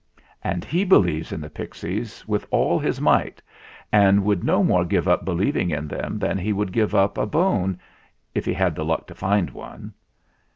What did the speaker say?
And he believes in the pixies with all his might, 62 THE FLINT HEART and would no more give up believing in them than he would give up a bone if he had the luck to find one.